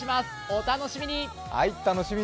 お楽しみに。